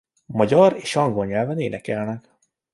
Magyar és angol nyelven énekelnek.